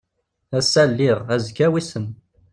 Ass-a lliɣ azekka wissen.